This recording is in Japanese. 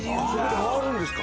・回るんですか？